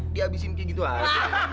di abisin kayak gitu aja